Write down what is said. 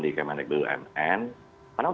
di kbpu mn